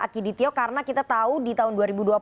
aki ditio karena kita tahu di tahun